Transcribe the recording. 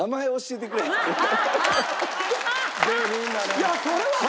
いやそれはさ。